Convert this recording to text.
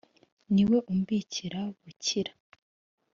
Ni we umbikira bukira